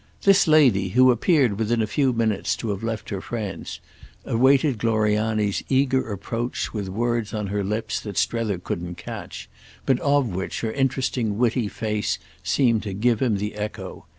This lady, who appeared within a few minutes to have left her friends, awaited Gloriani's eager approach with words on her lips that Strether couldn't catch, but of which her interesting witty face seemed to give him the echo.